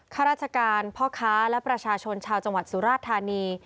ข้าราชการพ่อค้าและประชาชนชาวจังหวัดสุราธานี